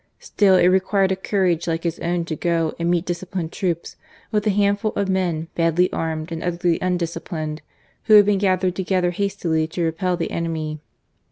Still it required a courage like his own to go and meet disciplined troops with the handful of men badly armed and utterly undisciplined, who had been gathered together hastily to repel the enemy.